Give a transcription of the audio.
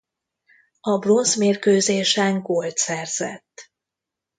A bronzmérkőzésen gólt szerzett.